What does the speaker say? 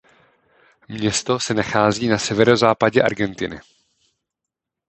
Město se nachází na severozápadě Argentiny.